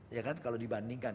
ya kan kalau dibandingkan